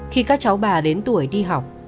khi các cháu bà đến tuổi đi học